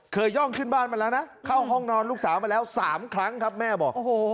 ย่องขึ้นบ้านมาแล้วนะเข้าห้องนอนลูกสาวมาแล้ว๓ครั้งครับแม่บอกโอ้โห